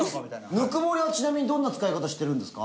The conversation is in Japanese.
「ぬくもり」はちなみにどんな使い方してるんですか？